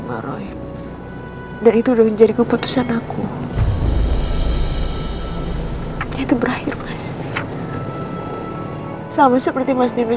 jadi kadang kadang apa kita melakukan ingin untuk bisa back to school